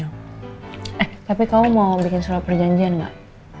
eh tapi kamu mau bikin surat perjanjian gak